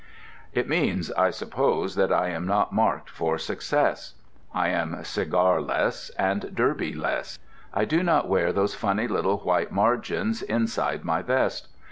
It means, I suppose, that I am not marked for success. I am cigarless and derbyless; I do not wear those funny little white margins inside my vest.